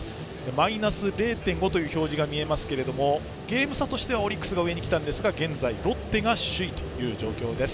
マイナス０．５という表示が見えますがゲーム差としてはオリックスが上に来たんですが現在ロッテが首位という状況です。